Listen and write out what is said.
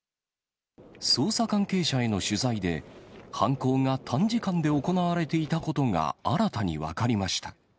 捜査関係者への取材で、犯行が短時間で行われていたことが、新たに分かりました。